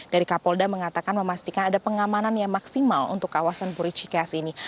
dari kapolda mengatakan memastikan ada pengamanan yang maksimal untuk kawasan puricikeas ini